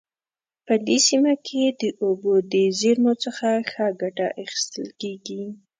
په دې سیمه کې د اوبو د زیرمو څخه ښه ګټه اخیستل کیږي